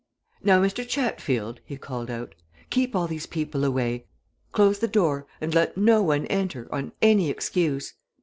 "Now, Mr. Chatfield!" he called out. "Keep all these people away! Close the door and let no one enter on any excuse.